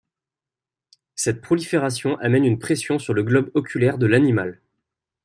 Cette prolifération amène une pression sur le globe oculaire de l’animal.